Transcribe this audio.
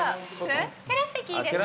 テラス席いいですか？